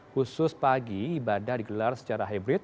khusus pagi ibadah digelar secara hybrid